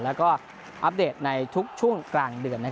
แล้วก็อัปเดตในทุกช่วงกลางเดือน